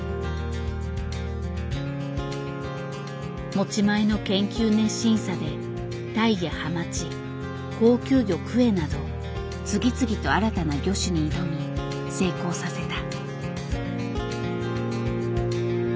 持ち前の研究熱心さでタイやハマチ高級魚クエなど次々と新たな魚種に挑み成功させた。